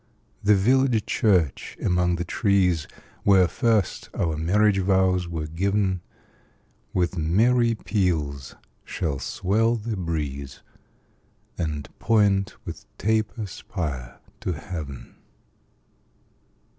The village church, among the trees, Where first our marriage vows were giv'n, With merry peals shall swell the breeze, And point with taper spire to heav'n.